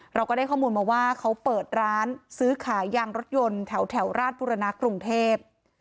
เราก็ได้ข้อมูลมาว่าเขาเปิดร้านซื้อขายยางรถยนต์แถวราชบุรณะกรุงเทพ